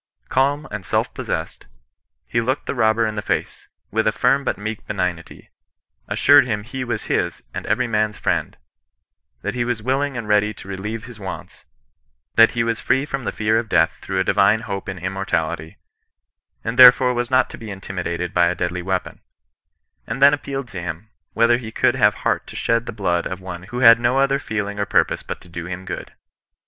Calm and self possessed, he looked the robber in the face, with a firm but meek benignity, as sured him he was his and every man's friend, that he was willing and ready to relieve his wants, that he was free from the fear of death through a divine hope in immortality, and therefore was not to be intimidated by a deadly weapon ; and then appealed to him, whether he could have heart to shed the blood of one who had no other feeling or purpose but to do him good.